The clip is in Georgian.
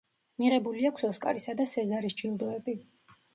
მიღებული აქვს ოსკარისა და სეზარის ჯილდოები.